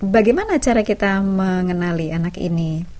bagaimana cara kita mengenali anak ini